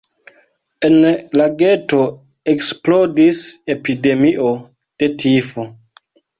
En la geto eksplodis epidemio de tifo.